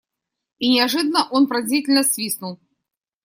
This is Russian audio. И неожиданно он пронзительно свистнул.